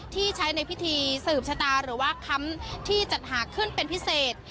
ที่ใช้ในพิธีสืบชะตาหรือว่าคำที่จัดหาขึ้นเป็นพิเศษ